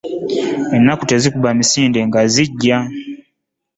Ennaku tezikuba misinde nga ziggya .